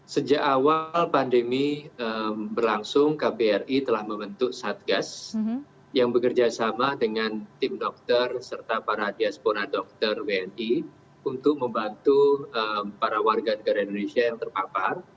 sejak awal pandemi berlangsung kbri telah membentuk satgas yang bekerja sama dengan tim dokter serta para diaspora dokter wni untuk membantu para warga negara indonesia yang terpapar